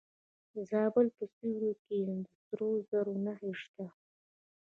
د زابل په سیوري کې د سرو زرو نښې شته.